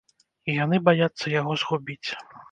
І яны баяцца яго згубіць.